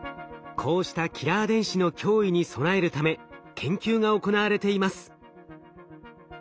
こうしたキラー電子の脅威に備えるため研究が行われています。